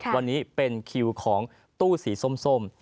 วันนี้เป็นคิวของตู้สีส้ม